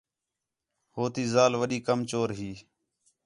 ہو تی ذال وݙّی کم چور ہی